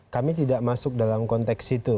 kami tidak masuk dalam konteks itu